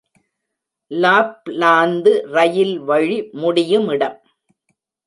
லாப்லாந்து ரயில் வழி முடியுமிடம்.